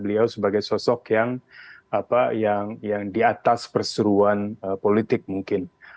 beliau sebagai sosok yang di atas perseruan politik mungkin